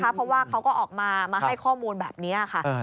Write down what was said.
เพราะว่าเขาก็ออกมามาให้ข้อมูลแบบนี้ค่ะ